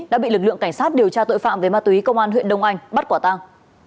đã bị lực lượng cảnh sát điều tra tội phạm về ma túy công an huyện đông anh bắt quả tang